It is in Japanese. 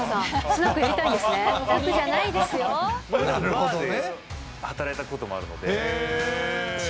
僕、バーで働いたこともあるので。